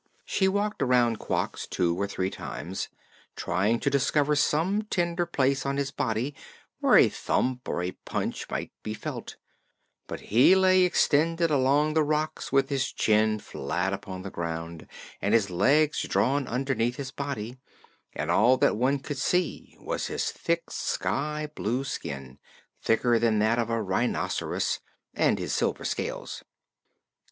She walked around Quox two or three times, trying to discover some tender place on his body where a thump or a punch might be felt; but he lay extended along the rocks with his chin flat upon the ground and his legs drawn underneath his body, and all that one could see was his thick sky blue skin thicker than that of a rhinoceros and his silver scales.